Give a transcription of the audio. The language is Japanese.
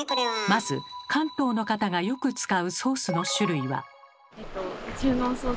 まず関東の方がよく使うソースの種類は。